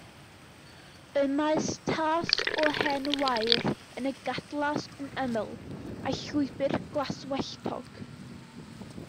Y mae tas o hen wair yn y gadlas yn ymyl, a llwybr glaswelltog.